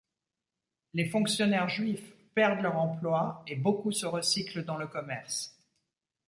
Les fonctionnaires juifs perdent leur emploi, et beaucoup se recyclent dans le commerce.